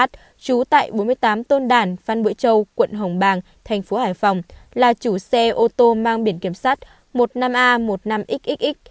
trú tại bốn mươi tám tôn đản phan bụi châu quận hồng bàng tp hải phòng là chủ xe ô tô mang biển kiểm sát một mươi năm a một mươi năm xxx